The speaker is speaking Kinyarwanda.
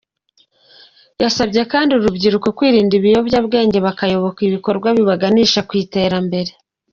Yasabye kandi urubyiruko kwirinda ibiyobyabwenge bakayoboka ibikorwa bibaganisha ku iterambere.